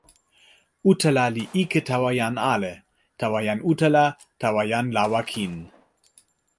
utala li ike tawa jan ale, tawa jan utala, tawa jan lawa kin.